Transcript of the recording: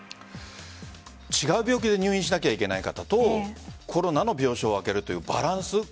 違う病気で入院しなきゃいけない方とコロナの病床を分けるというバランス。